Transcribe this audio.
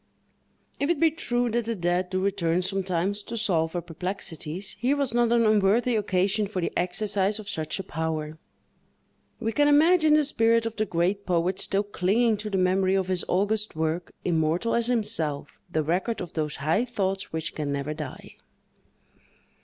If it be true that the dead do return sometimes to solve our perplexities, here was not an unworthy occasion for the exercise of such a power. We can imagine the spirit of the great poet still clinging to the memory of his august work, immortal as himself—the record of those high thoughts which can never die.